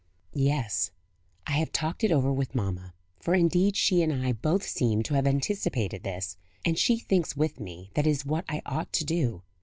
"Yes. I have talked it over with mamma for indeed she and I both seem to have anticipated this and she thinks with me, that it is what I ought to do.